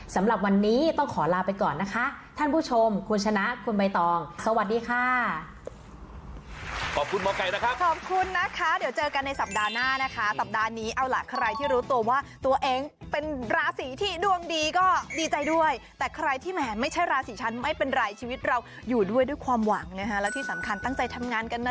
สำหรับวันนี้ต้องขอลาไปก่อนนะคะท่านผู้ชมคุณชนะคุณใบตองสวัสดีค่ะ